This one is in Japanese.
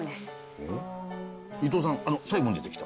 伊藤さんあの最後に出てきた。